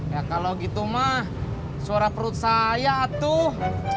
ya kalau gitu mah suara perut saya tuh